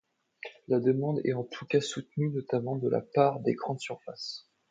La demande est en tous cas soutenue, notamment de la part des grandes surfaces.